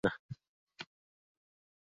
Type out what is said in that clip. کیسه د پوښتنو او ځوابونو په بڼه راغلې ده.